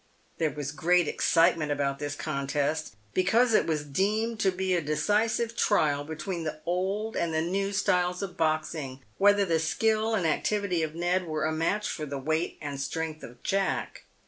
There was great excitement about this contest, because it was deemed to be a decisive trial between the old and the new styles of boxing, whether the skill and activity of Ned were a match for the weight and strength of Jack.